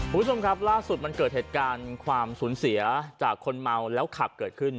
คุณผู้ชมครับล่าสุดมันเกิดเหตุการณ์ความสูญเสียจากคนเมาแล้วขับเกิดขึ้น